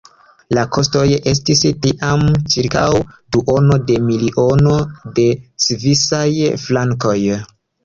La kostoj estis tiam ĉirkaŭ duono de miliono de svisaj frankoj.